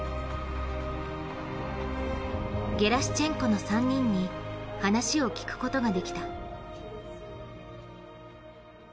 ゲラシチェンコの３人に話を聞くことができた。